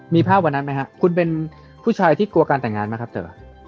มีภาพวันนั้นไหมครับคุณเป็นผู้ชายที่กลัวการแต่งงานไหมครับเธอ